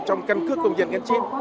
trong căn cứ công dân ngân chính